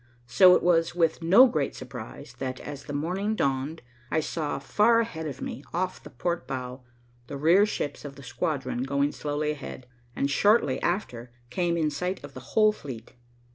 So it was with no great surprise that, as the morning dawned, I saw far ahead of me, off the port bow, the rear ships of the squadron going slowly ahead, and shortly after came in sight of the whole fleet.